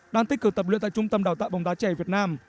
đang tích cực tập luyện tại trung tâm đào tạo bóng đá trẻ việt nam